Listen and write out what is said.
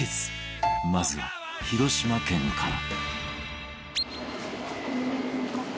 まずは広島県から